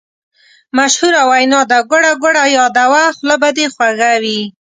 مشهوره وینا ده: ګوړه ګوړه یاده وه خوله به دې خوږه وي.